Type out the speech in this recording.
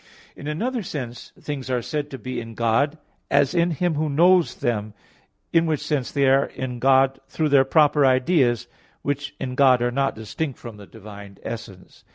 In another sense things are said to be in God, as in Him who knows them, in which sense they are in God through their proper ideas, which in God are not distinct from the divine essence.